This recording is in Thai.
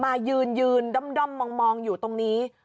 มายืนยืนด้อมมองอยู่ตรงนี้